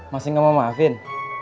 masih gak mau maafin